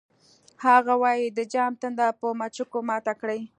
هغه وایی د جام تنده په مچکو ماته کړئ